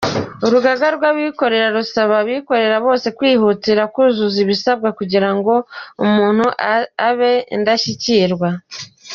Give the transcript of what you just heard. Urugaga rw’abikorera rusaba abikorera bose kwihutira kuzuza ibisabwa kugira ngo umuntu abe Indashikirwa.